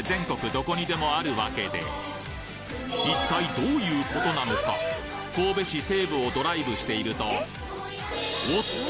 どこにでもあるわけで一体どういう事なのか神戸市西部をドライブしているとおっと！